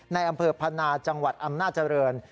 ในอำเภอพนาจังหวัดอำนาจริง